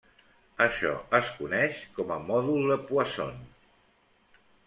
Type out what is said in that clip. Això es coneix com a mòdul de Poisson.